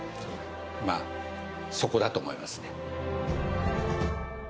そこだと思いますね。